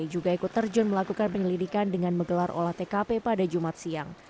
juga ikut terjun melakukan penyelidikan dengan menggelar olah tkp pada jumat siang